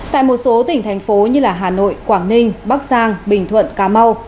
tại một số tỉnh thành phố như hà nội quảng ninh bắc giang bình thuận cà mau